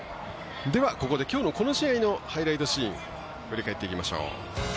ここできょうのこの試合のハイライトシーン振り返っていきましょう。